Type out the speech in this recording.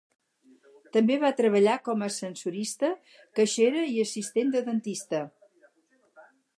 També va treballar com a ascensorista, caixera i assistent de dentista.